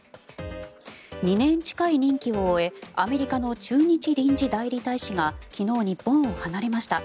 ２年近い任期を終えアメリカの駐日臨時代理大使が昨日、日本を離れました。